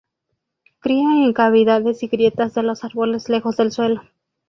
Cría en cavidades y grietas de los árboles lejos del suelo.